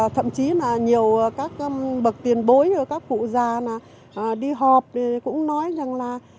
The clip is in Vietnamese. thậm chí là nhiều các bậc tiền bối các cụ già đi họp cũng nói rằng là